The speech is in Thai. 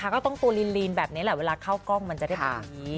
ยังเขินอยู่